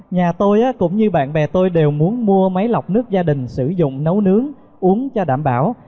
nhà tôi cũng như bạn bè tôi đều muốn mua máy lọc nước gia đình sử dụng nấu nướng uống cho đảm bảo